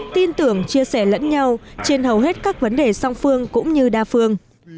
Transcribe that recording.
tin tưởng chia sẻ lẫn nhau trên hầu hết các vấn đề song phương cũng như đa phương